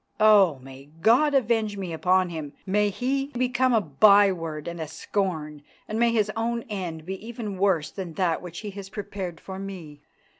Oh! may God avenge me upon him! May he become a byword and a scorn, and may his own end be even worse than that which he has prepared for me.